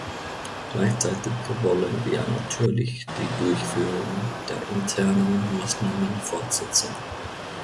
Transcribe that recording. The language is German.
Gleichzeitig wollen wir natürlich die Durchführung der internen Maßnahmen fortsetzen.